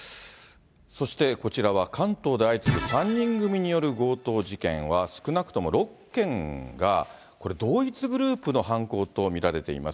そしてこちらは関東で相次ぐ３人組による強盗事件は、少なくとも６件が、これ、同一グループの犯行と見られています。